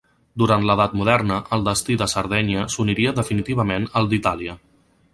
Durant l'edat moderna el destí de Sardenya s'uniria definitivament al d'Itàlia.